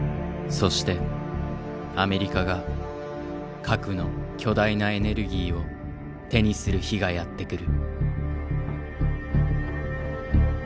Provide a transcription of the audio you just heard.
そしてアメリカが核の巨大なエネルギーを手にする日がやって来る。